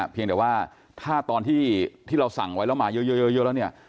เพียงแต่ว่าถ้าตอนที่เราสั่งไว้แล้วมาเยอะแล้วเนี่ย